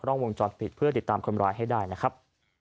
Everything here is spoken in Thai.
่องวงจอดปิดเพื่อติดตามคนร้ายให้ได้นะครับ